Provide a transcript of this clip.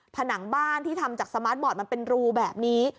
ผนังบ้านที่ทำจากสมาร์ทบอร์ดมันเป็นรูแบบนี้